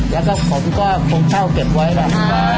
แล้วก็ผมก็คงเช่าเก็บไว้แหละ